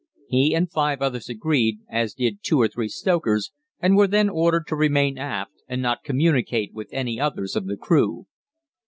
He and five others agreed, as did two or three stokers, and were then ordered to remain aft and not communicate with any others of the crew.